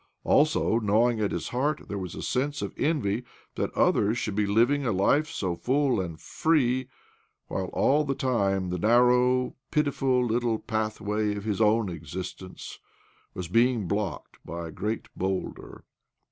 Also gnawing at his heart there was a sense of envy that others should be living a life so full and free, while all the time the narrow, pitiflxl little pathway of his own existence was being blocked by a great boulder.